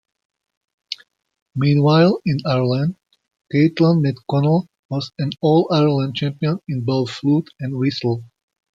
Meanwhile in Ireland, Cathal McConnell was an All-Ireland champion in both flute and whistle.